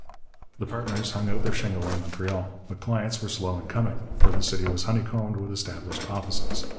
The partners hung out their shingle in Montreal. But clients were slow in coming, for the city was honeycombed with established offices.